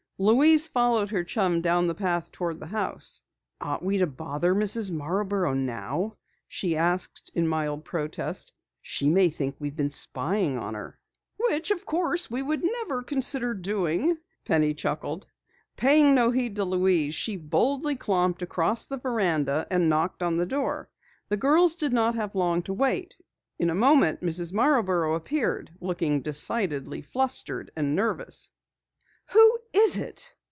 Louise followed her chum down the path toward the house. "Ought we bother Mrs. Marborough now?" she asked in mild protest. "She may think we have been spying on her." "Which of course we never would consider doing," Penny chuckled. Paying no heed to Louise, she boldly clomped across the veranda and knocked on the door. The girls did not have long to wait. In a moment Mrs. Marborough appeared, looking decidedly flustered and nervous. "Who is it?"